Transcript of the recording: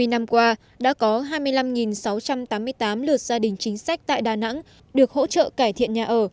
hai mươi năm qua đã có hai mươi năm sáu trăm tám mươi tám lượt gia đình chính sách tại đà nẵng được hỗ trợ cải thiện nhà ở